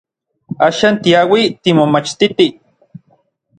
Axan tiauij timomachtitij.